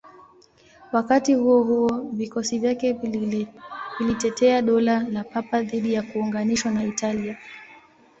Wakati huo huo, vikosi vyake vilitetea Dola la Papa dhidi ya kuunganishwa na Italia.